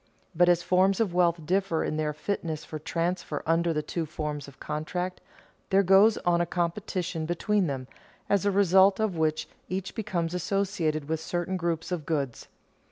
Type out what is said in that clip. But as forms of wealth differ in their fitness for transfer under the two forms of contract, there goes on a competition between them, as a result of which each becomes associated with certain groups of goods.